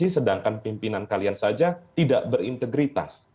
sedangkan pimpinan kalian saja tidak berintegritas